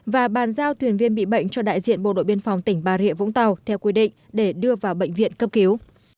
và bàn giao thuyền viên bị bệnh cho đại diện bộ đội biên phòng tỉnh bà rịa vũng tàu theo quy định để đưa vào bệnh viện cấp cứu